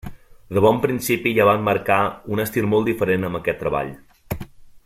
De bon principi ja van marcar un estil molt diferent amb aquest treball.